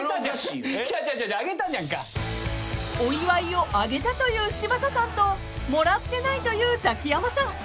［お祝いをあげたと言う柴田さんともらってないと言うザキヤマさん］